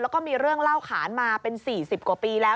แล้วก็มีเรื่องเล่าขานมาเป็น๔๐กว่าปีแล้ว